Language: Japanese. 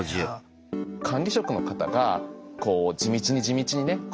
管理職の方がこう地道に地道にね